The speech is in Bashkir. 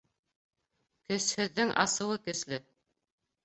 Көсһөҙҙөң асыуы көслө.